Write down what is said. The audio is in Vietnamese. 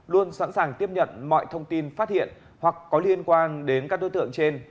luôn sẵn sàng tiếp nhận mọi thông tin phát hiện hoặc có liên quan đến các đối tượng trên